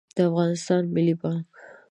د افغانستان ملي بانګ